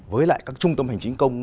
với lại các trung tâm hành chính công